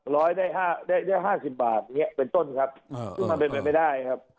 ร้อยได้๕๐บาทเป็นต้นครับไม่ได้ครับ